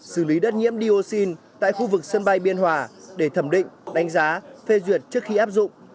xử lý đất nhiễm dioxin tại khu vực sân bay biên hòa để thẩm định đánh giá phê duyệt trước khi áp dụng